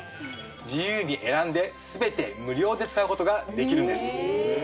自由に選んで、すべて無料で使うことができるんです。